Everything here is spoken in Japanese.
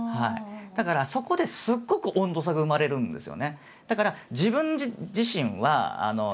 だからそこですごく温度差が生まれるんですよね。